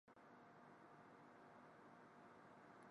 その意味は、飜訳者は裏切り者、ということだ